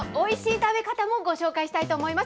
食べ方もご紹介したいと思います。